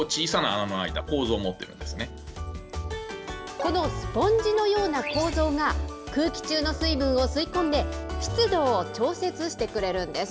このスポンジのような構造が、空気中の水分を吸い込んで、湿度を調節してくれるんです。